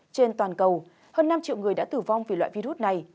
trên toàn cầu hơn năm triệu người đã tử vong vì loại virus này